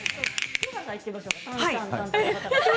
清原さんいってみましょうか。